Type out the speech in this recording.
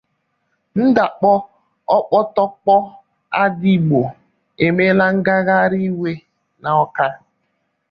Ndakpò: Okpotokpo Adaigbo Emeela Ngagharị Iwe n'Awka